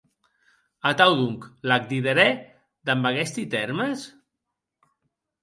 Atau, donc, l’ac diderè damb aguesti tèrmes?